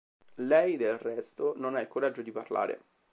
Lei, del resto, non ha il coraggio di parlare.